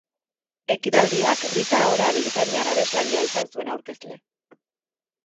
Ekitaldiak Rita Ora britainiar abeslaria izan zuen aurkezle.